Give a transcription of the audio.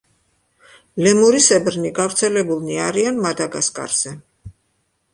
ლემურისებრნი გავრცელებულნი არიან მადაგასკარზე.